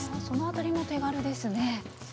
その辺りも手軽ですね。